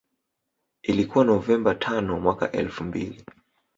Ilikuwa Novemba tano mwaka elfu mbili